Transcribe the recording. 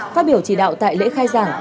phát biểu chỉ đạo tại lễ khai giảng